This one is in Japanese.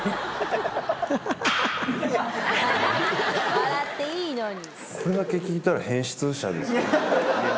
笑っていいのに。